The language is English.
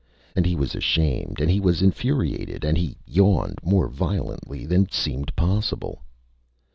And he was ashamed, and he was infuriated, and he yawned more violently than seemed possible.